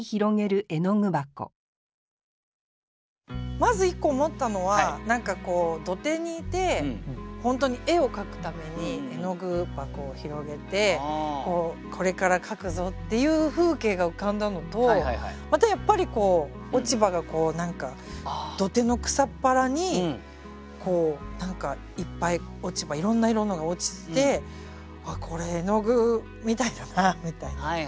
まず一個思ったのは何かこう土手にいて本当に絵を描くために絵具箱を拡げてこれから描くぞっていう風景が浮かんだのとまたやっぱり落ち葉が土手の草っ原に何かいっぱい落ち葉いろんな色のが落ちててこれ絵具みたいだなみたいな。